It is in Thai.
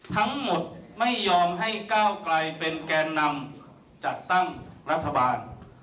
ทั้งหมดไม่ยอมให้ก้าวไกลเป็นแกนนำจัดตั้งรัฐบาล